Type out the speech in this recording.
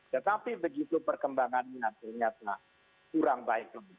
tetapi begitu perkembangan yang ternyata kurang baik